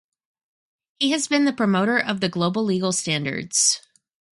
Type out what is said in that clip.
He has been the promoter of the Global Legal Standards.